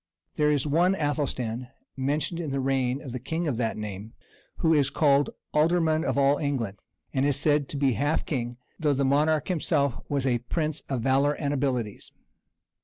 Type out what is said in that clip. There is one Athelstan, mentioned in the reign of the king of that name, who is called alderman of all England, and is said to be half king; though the monarch himself was a prince of valor and abilities.